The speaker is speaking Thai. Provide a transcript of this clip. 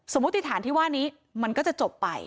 มติฐานที่ว่านี้มันก็จะจบไป